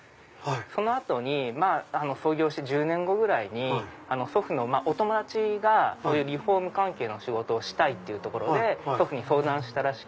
その後に創業して１０年後ぐらいに祖父のお友達がリフォーム関係の仕事をしたいというところで祖父に相談したらしく。